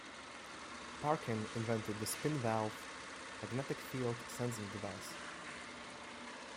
Parkin invented the spinvalve magnetic field sensing device.